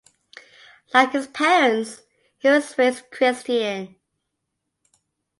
Like his parents, he was raised Christian.